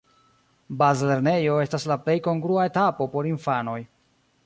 Bazlernejo estas la plej kongrua etapo por infanoj.